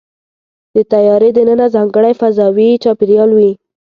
د طیارې دننه ځانګړی فضاوي چاپېریال وي.